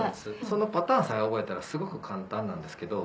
そのパターンさえ覚えたらすごく簡単なんですけど。